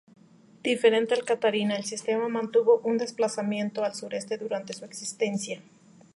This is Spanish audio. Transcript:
Diferente al Catarina, el sistema mantuvo un desplazamiento al sureste durante su existencia.